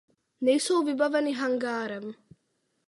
Nejsou vybaveny hangárem.